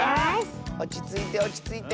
おちついておちついて。